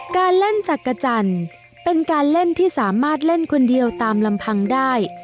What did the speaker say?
การเล่นจักรจันทร์เป็นการเล่นที่สามารถเล่นคนเดียวตามลำพังได้